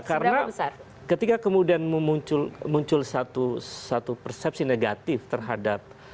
oke kalau menurut anda ada karena ketika kemudian muncul satu persepsi negatif terhadap